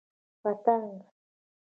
🦋 پتنګ